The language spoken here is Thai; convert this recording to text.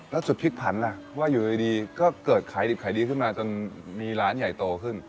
แล้วสุดพิกษ์พรรณล่ะว่าอยู่ดีก็เกิดขายดีขึ้นมาจนมีร้านใหญ่โตขึ้น